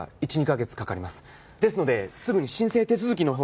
ですのですぐに申請手続きの方。